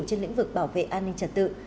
trên lĩnh vực bảo vệ an ninh trật tự